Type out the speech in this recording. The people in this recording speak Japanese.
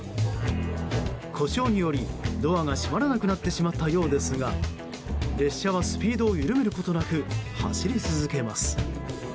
故障により、ドアが閉まらなくなってしまったようですが列車はスピードを緩めることなく走り続けます。